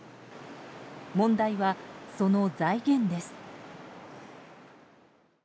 問題は、その財源です。